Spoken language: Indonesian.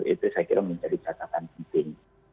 itu saya kira menjadi catatan penting